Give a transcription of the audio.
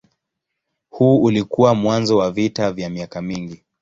Huu ulikuwa mwanzo wa vita vya miaka mingi.